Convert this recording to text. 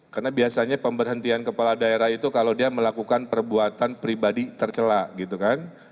karena biasanya pemberhentian kepala daerah itu kalau dia melakukan perbuatan pribadi tercelak gitu kan